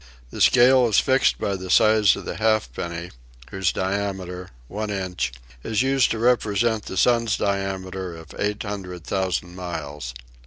The scale is fixed by the size of the halfpenny, whose diameter, one inch, is used to repre sent the Sun's diameter of 8cx),ooo miles.